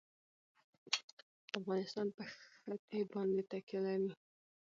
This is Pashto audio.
افغانستان په ښتې باندې تکیه لري.